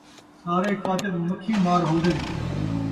سارے کاتب مکھی مار ہون٘دن